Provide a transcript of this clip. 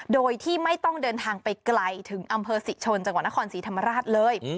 โดยที่ไม่ต้องเดินทางไปไกลถึงอำเภอศรีชนจังหวัดนครศรีธรรมราชเลย